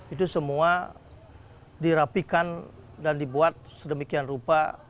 itu semua dirapikan dan dibuat sedemikian rupa